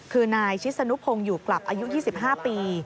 คือนายชิศนุพงศ์อยู่กลับอายุ๒๕ปี